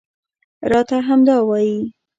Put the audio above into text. راته همدا وايي